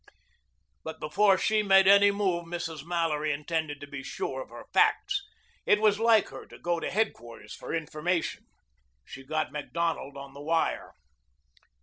But before she made any move Mrs. Mallory intended to be sure of her facts. It was like her to go to headquarters for information. She got Macdonald on the wire.